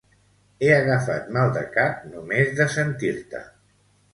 He agafat mal de cap només de sentir-te